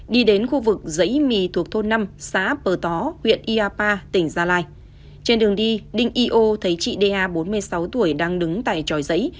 đi đến khu vực giấy mì thuộc thôn năm xã bờ tó huyện yapa tỉnh gia lai trên đường đi đinh y ô thấy chị đê a bốn mươi sáu tuổi đang đứng tại tròi giấy